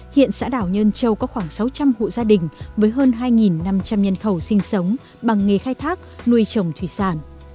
hiện xã đảo nhơn châu có khoảng sáu trăm linh hộ gia đình với hơn hai năm trăm linh nhân khẩu sinh sống bằng nghề khai thác nuôi trồng thủy sản